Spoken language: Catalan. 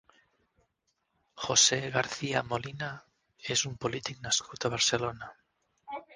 José García Molina és un polític nascut a Barcelona.